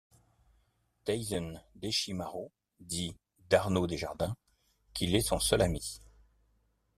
Taisen Deshimaru dit d'Arnaud Desjardins qu'il est son seul ami.